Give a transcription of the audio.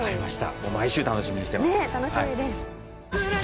もう毎週楽しみにしてます